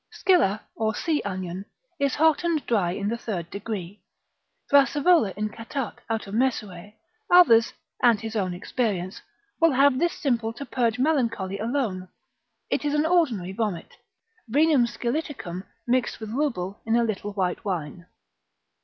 Scilla, or sea onion, is hot and dry in the third degree. Brassivola in Catart. out of Mesue, others, and his own experience, will have this simple to purge melancholy alone. It is an ordinary vomit, vinum scilliticum mixed with rubel in a little white wine.